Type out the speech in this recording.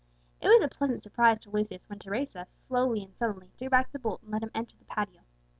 It was a pleasant surprise to Lucius when Teresa, slowly and sullenly, drew back the bolt, and let him enter the patio.